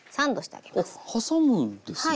あっ挟むんですね。